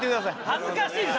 恥ずかしいです